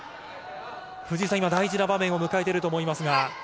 大事な場面を迎えていると思います。